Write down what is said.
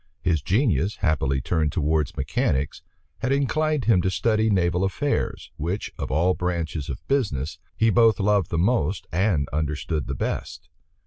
His genius, happily turned towards mechanics, had inclined him to study naval affairs, which, of all branches of business, he both loved the most and understood the best.